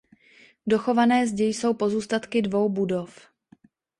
Dochované zdi jsou pozůstatky dvou budov.